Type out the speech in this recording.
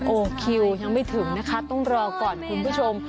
คิวยังไม่ถึงนะคะต้องรอก่อนคุณผู้ชม